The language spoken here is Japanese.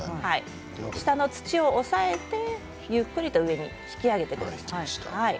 下の土を押さえてゆっくりと引き上げてください。